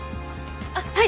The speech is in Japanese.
あっはい。